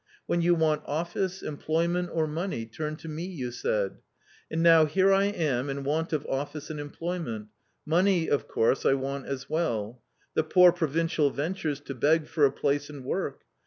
* When you want office, employment, or money, turn to me,' you said. And now here I am in want of office and employment ; money, of course, I want as well. The poor provincial ventures to beg for a place and work.